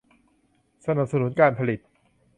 สนับสนุนการผลิต